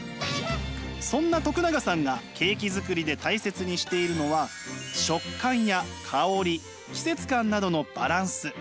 そんな永さんがケーキ作りで大切にしているのは食感や香り季節感などのバランス。